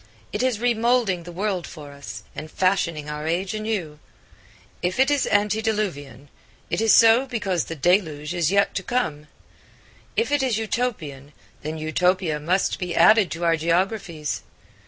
It is remoulding the world for us and fashioning our age anew. If it is antediluvian, it is so because the deluge is yet to come; if it is Utopian, then Utopia must be added to our geographies.